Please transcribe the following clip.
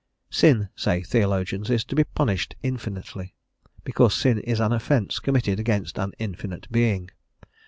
Sin, say theologians, is to be punished infinitely, because sin is an offence committed against an infinite being.